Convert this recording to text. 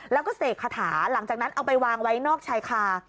แล้วก็เสกคาถาหลังจากนั้นเอาไปวางไว้นอกชายคา